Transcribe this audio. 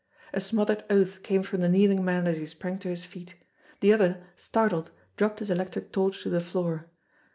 A smothered oath came from the kneeling man as he sprang to his feet ; the other, startled, dropped his elec tric torch to the floor.